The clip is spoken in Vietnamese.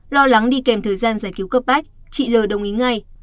lo lắng đi kèm thời gian giải cứu cấp bách chị l đồng ý ngay